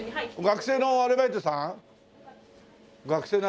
学生のアルバイトさん？